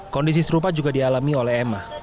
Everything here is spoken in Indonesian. kondisi serupa juga dialami oleh emma